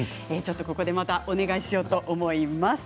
ここでまたお願いしようと思います。